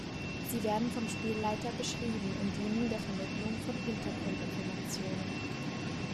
Sie werden vom Spielleiter beschrieben und dienen der Vermittlung von Hintergrundinformationen.